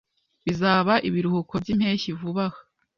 Bizaba ibiruhuko byimpeshyi vuba aha.